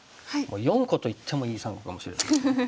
４個と言ってもいい３個かもしれないですね。